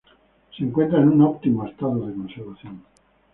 Se encuentra en un óptimo estado de conservación.